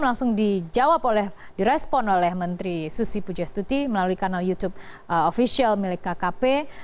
langsung dijawab oleh direspon oleh menteri susi pujastuti melalui kanal youtube ofisial milik kkp